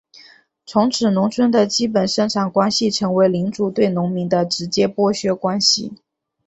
从此农村的基本生产关系成为领主对农民的直接剥削关系。